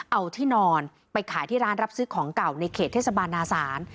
เอาที่นอนไปขายที่ร้านรับซื้อของเก่าในเขตเทศบาลนาศาล